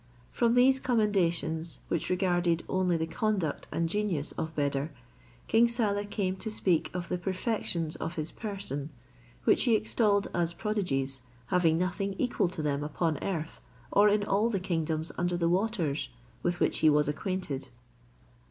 From these commendations, which regarded only the conduct and genius of Beder, King Saleh came to speak of the perfections of his person, which he extolled as prodigies, having nothing equal to them upon earth, or in all the kingdoms under the waters, with which he was acquainted.